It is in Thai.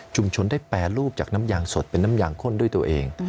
ได้แปรรูปจากน้ำยางสดเป็นน้ำยางข้นด้วยตัวเอง